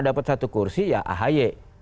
dapat satu kursi ya ahy